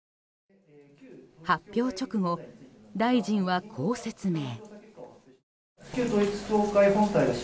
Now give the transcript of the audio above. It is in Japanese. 発表直後、大臣はこう説明。